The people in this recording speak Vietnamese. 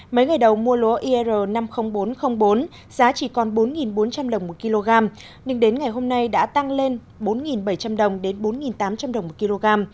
mấy ngày đầu mua lúa ir năm mươi nghìn bốn trăm linh bốn giá chỉ còn bốn bốn trăm linh đồng một kg nhưng đến ngày hôm nay đã tăng lên bốn bảy trăm linh đồng đến bốn tám trăm linh đồng một kg